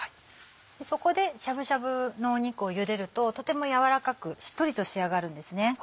そこでしゃぶしゃぶの肉をゆでるととても軟らかくしっとりと仕上がるんですね。